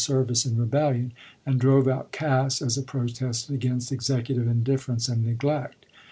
service in rebellion, and drove out Cass as a protest against Executive indifference and neglect.